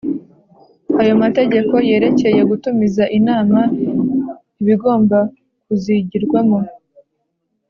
Ayo mategeko yerekeye gutumiza inama ibigomba kuzigirwamo,